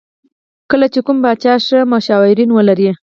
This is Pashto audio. کله چې کوم پاچا ښه مشاورین ولري.